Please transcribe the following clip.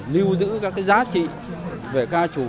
lưu giữ các giá trị về ca trù cho đất nước